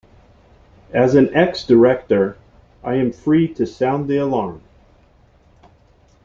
As an ex-director, I am free to sound the alarm.